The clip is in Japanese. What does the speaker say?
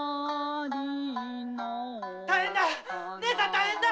・大変だ！